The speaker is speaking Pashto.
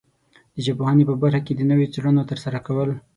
د ژبپوهنې په برخه کې د نویو څېړنو ترسره کول